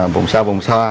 vùng xa vùng xoa